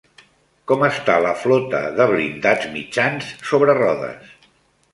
Com està la flota de blindats mitjans sobre rodes?